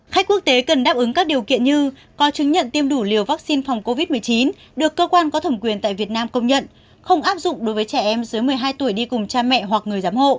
khách quốc tế cần đáp ứng các điều kiện như có chứng nhận tiêm đủ liều vaccine phòng covid một mươi chín được cơ quan có thẩm quyền tại việt nam công nhận không áp dụng đối với trẻ em dưới một mươi hai tuổi đi cùng cha mẹ hoặc người giám hộ